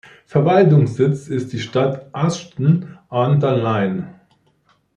Verwaltungssitz ist die Stadt Ashton-under-Lyne.